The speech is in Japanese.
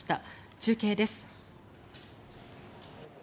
中継です。